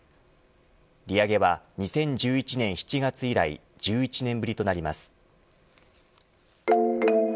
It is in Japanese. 利上げは２０１１年７月以来１１年ぶりとなります。